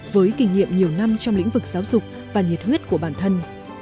với kinh nghiệm nhiều năm trong lĩnh vực giáo dục và nhiệt huyết của bản thân